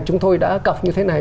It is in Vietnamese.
chúng tôi đã cọc như thế này